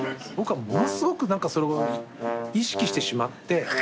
僕はものすごく何かそれを意識してしまって。